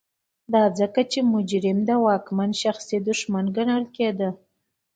دا ځکه چې مجرم د واکمن شخصي دښمن ګڼل کېده.